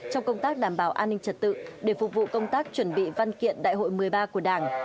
trong công tác đảm bảo an ninh trật tự để phục vụ công tác chuẩn bị văn kiện đại hội một mươi ba của đảng